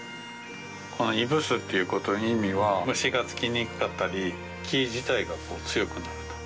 このいぶすっていうことの意味は虫がつきにくかったり木自体が強くなると。